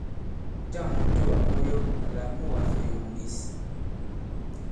Njâŋ mùtoà mu ɔ yɔ àlà mu ka-fè yɔ̀ŋ ɓěs?